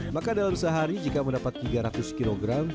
maka dalam sehari jika mendapat tiga ratus kilogram